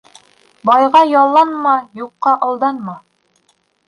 Байға ялланма, юҡҡа алданма.